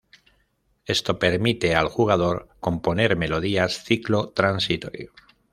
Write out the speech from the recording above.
Esto permite al jugador componer melodías ciclo transitorio.